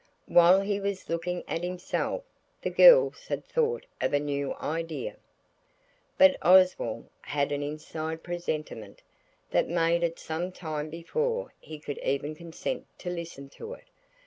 While he was looking at himself the girls had thought of a new idea. But Oswald had an inside presentiment that made it some time before he could even consent to listen to it.